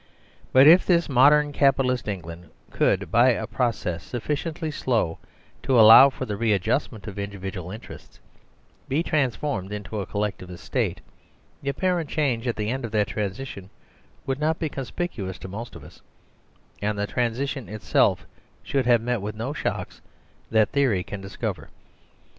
But if this modern Capitalist England could, by a process sufficiently slow to allow for the readjust ment of individual interests, be transformed into a Collectivist State, the apparent change at the end of that transition would not be conspicuous to the most of us, and the transition itself should have met with no shocks that theory can discover.